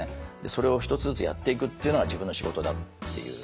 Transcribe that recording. それを１つずつやっていくっていうのが自分の仕事だっていう。